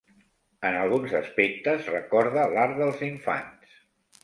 En alguns aspectes recorda l'art dels infants.